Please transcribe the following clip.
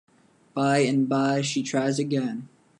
By and by she tries again.